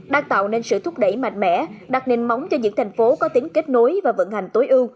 đang tạo nên sự thúc đẩy mạnh mẽ đặt nền móng cho những thành phố có tính kết nối và vận hành tối ưu